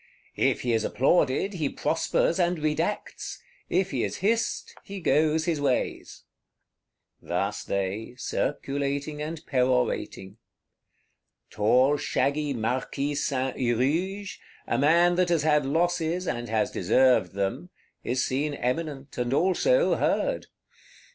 If he is applauded, he prospers and redacts; if he is hissed, he goes his ways." Thus they, circulating and perorating. Tall shaggy Marquis Saint Huruge, a man that has had losses, and has deserved them, is seen eminent, and also heard.